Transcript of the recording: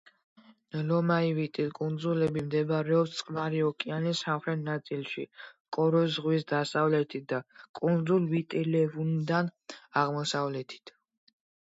ლომაივიტის კუნძულები მდებარეობს წყნარი ოკეანის სამხრეთ ნაწილში, კოროს ზღვის დასავლეთით და კუნძულ ვიტი-ლევუდან აღმოსავლეთით.